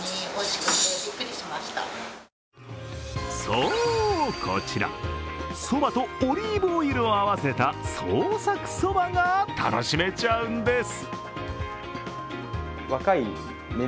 そう、こちら、そばとオリーブオイルを合わせた創作そばが楽しめちゃうんです。